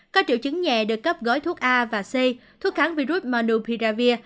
có triệu chứng nhẹ được cấp gói thuốc a và c thuốc kháng virus manupiravir